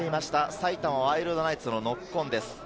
埼玉ワイルドナイツのノックオンです。